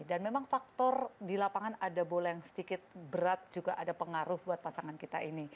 dan memang faktor di lapangan ada bola yang sedikit berat juga ada pengaruh buat pasangan kita ini